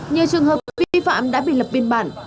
nhiều trường hợp vi phạm đã bị lập biên bản